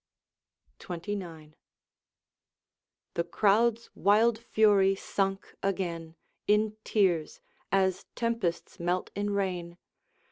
XXIX. The crowd's wild fury sunk again In tears, as tempests melt in rain.